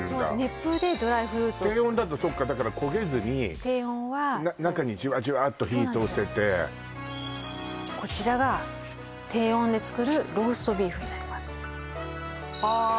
熱風でドライフルーツを低温だとそっかだから焦げずに低温は中にじわじわっと火通せてこちらが低温で作るローストビーフになりますああ